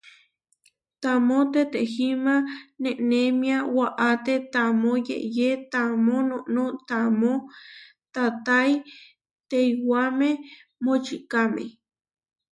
Taamó tetehíma nenémia waáte, taamó yeʼyé taamó noʼnó taamó taatái teiwáme močikáme.